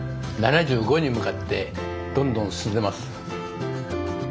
７５に向かってどんどん進んでます。